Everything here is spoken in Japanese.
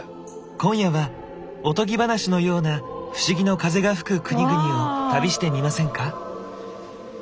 今夜はおとぎ話のような不思議の風が吹く国々を旅してみませんか？